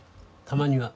たまには。